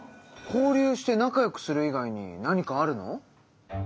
交流して仲良くする以外に何かあるの？